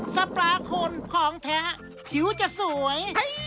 สปลาคนของแท้ผิวจะสวย